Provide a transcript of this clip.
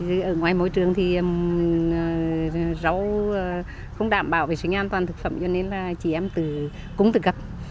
ở ngoài môi trường thì rau không đảm bảo vệ sinh an toàn thực phẩm cho nên là chị em cũng tự gập